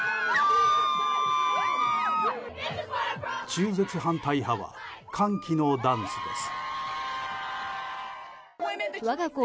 中絶反対派は歓喜のダンスです。